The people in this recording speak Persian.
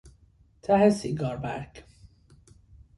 ته سیگار برگ